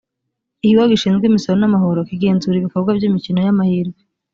ikigo gishinzwe imisoro n’amahoro kigenzura ibikorwa by’ imikino y’ amahirwe